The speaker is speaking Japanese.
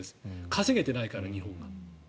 稼げてないから、日本が。